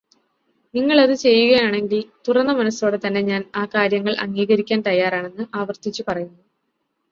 നിങ്ങളത് ചെയ്യുകയാണെങ്കിൽ, തുറന്ന മനസ്സോടെ തന്നെ ഞാൻ ആ കാര്യങ്ങൾ അംഗീകരിക്കാൻ തയ്യാറാണെന്ന് ആവർത്തിച്ചു പറയുന്നു.